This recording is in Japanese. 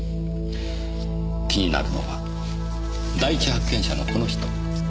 気になるのは第一発見者のこの人。